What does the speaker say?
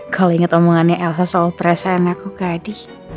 kalau inget omongannya elsa soal perasaan aku gadi